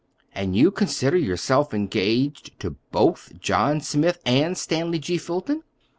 "And you consider yourself engaged to both John Smith and Stanley G. Fulton?"